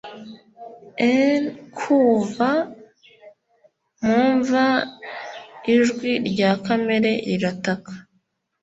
e'en kuva mu mva ijwi rya kamere rirataka,